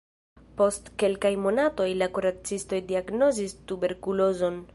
Post kelkaj monatoj la kuracistoj diagnozis tuberkulozon.